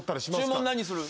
注文何する？